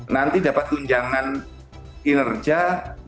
nanti dapat tunjangan kinerja dapat lagi nanti